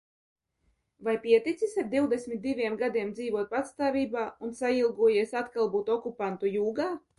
Vai pieticis ar divdesmit diviem gadiem dzīvot patstāvībā un sailgojies atkal būt okupantu jūgā?